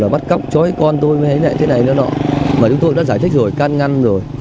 bị thôi miên